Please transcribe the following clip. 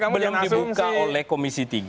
belum dibuka oleh komisi tiga